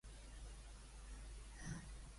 Com es titula l'única que ha perdurat?